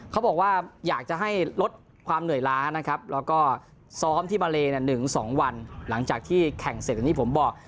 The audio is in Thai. เขาบอกว่าอยากจะให้ลดความเหนื่อยล้านะครับแล้วก็ซ้อมที่มาเล๑๒วันหลังจากที่แข่งเสร็จอย่างที่ผมบอก